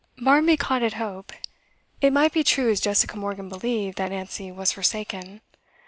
Barmby caught at hope. It might be true, as Jessica Morgan believed, that Nancy was forsaken.